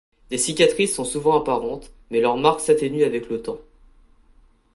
Des cicatrices sont souvent apparentes, mais leurs marques s'atténuent avec le temps.